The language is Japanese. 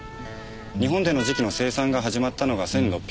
日本での磁器の生産が始まったのが１６１６年。